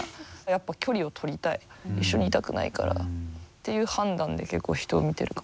やっぱ距離を取りたい一緒にいたくないからっていう判断で結構人を見てるかもしれないですね。